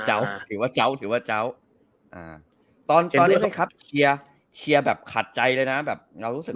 ถือว่าเจ้าถือว่าเจ้าอ่าตอนตอนนี้นะครับเชียร์เชียร์แบบขัดใจเลยนะแบบเรารู้สึก